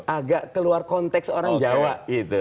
agak keluar konteks orang jawa gitu